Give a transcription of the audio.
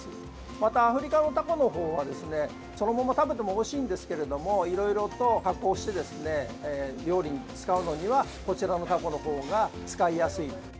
またアフリカのタコの方はそのまま食べてもおいしいんですけれどもいろいろと加工して料理に使うのにはこちらのタコの方が使いやすい。